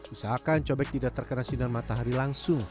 usahakan cobek tidak terkena sinar matahari langsung